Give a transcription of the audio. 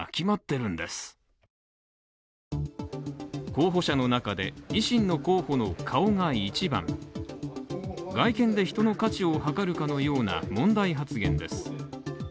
候補者の中で、維新の候補の顔が一番だと思う外見で人の価値を計るかのような問題発言です。